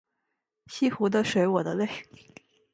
西湖的水我的泪